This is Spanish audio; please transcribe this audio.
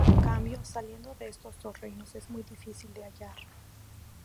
En cambio, saliendo de estos dos reinos es muy difícil de hallar.